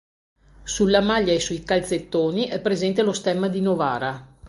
Sulla maglia e sui calzettoni è presente lo stemma di Novara.